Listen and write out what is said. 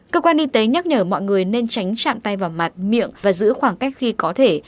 cơ quan y tế nhắc nhở mọi người nên tránh chạm tay vào mặt miệng và giữ khoảng cách khi có thể